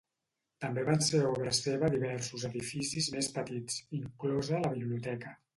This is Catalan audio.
També van ser obra seva diversos edificis més petits, inclosa la biblioteca.